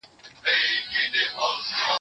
له سهاره تر ماښامه په ژړا یو